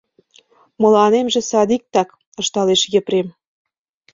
— Мыланемже садиктак, — ышталеш Епрем.